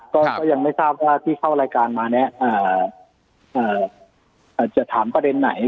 ก็ยังไม่ทราบว่าที่เข้ารายการมาเนี่ยจะถามประเด็นไหน